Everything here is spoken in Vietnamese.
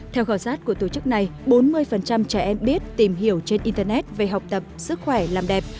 theo khảo sát của tổ chức này bốn mươi trẻ em biết tìm hiểu trên internet về học tập sức khỏe làm đẹp